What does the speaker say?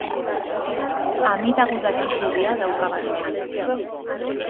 Amida Budaren irudia dauka barnean.